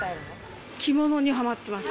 着物にはまってます。